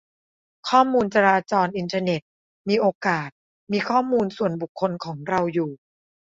ข้อมูลจราจรอินเทอร์เน็ตมีโอกาสมีข้อมูลส่วนบุคคลของเราอยู่